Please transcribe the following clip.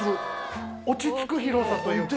落ち着く広さというか。